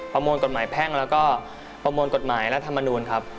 ประมวลกฎหมายแพ่งแล้วก็ประมวลกฎหมายรัฐมนูลครับ